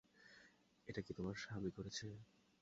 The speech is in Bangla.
এটা কি তোমার স্বামী করেছে?